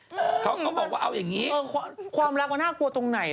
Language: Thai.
หนูคิดว่าเขาแบงค์เฟิบปี้ของเขาบ้างยังไง